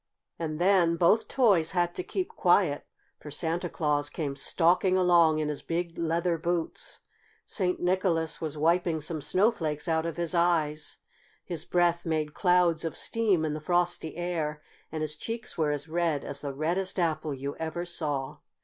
And then both toys had to keep quiet, for Santa Claus came stalking along in his big leather boots. St. Nicholas was wiping some snowflakes out of his eyes, his breath made clouds of steam in the frosty air and his cheeks were as red as the reddest apple you ever saw.